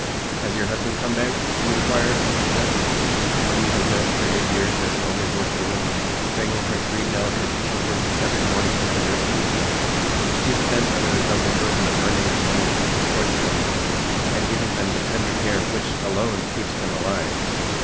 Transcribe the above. "Has your husband come back?" you inquire of Mrs. S., whom you have known for eight years as an overworked woman bringing her three delicate children every morning to the nursery; she is bent under the double burden of earning the money which supports them and giving them the tender care which alone keeps them alive.